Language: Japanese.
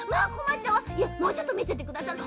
もうちょっとみててくださる？